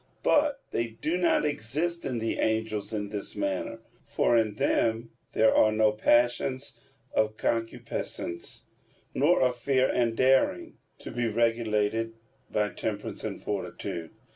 But they do not exist in the angels in this manner. For in them there are no passions of concupiscence, nor of fear and daring, to be regulated by temperance and fortitude.